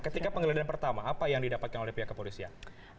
ketika penggeledahan pertama apa yang didapatkan oleh pihak kepolisian